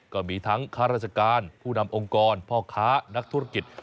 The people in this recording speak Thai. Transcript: ก็มีทั้งข้าราชการผู้นำองค์กรพ่อค้านักธุรกิจ